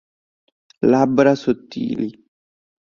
Labbra sottili.